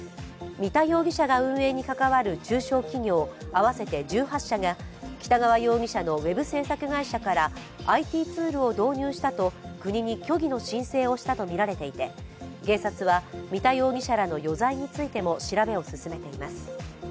三田容疑者が運営に関わる中小企業合わせて１８社が北川容疑者のウェブ制作会社からＩＴツールを導入したと国に虚偽の申請をしたとみられていて、警察は三田容疑者らの余罪についても調べを進めています。